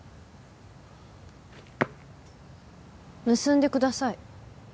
結んでください。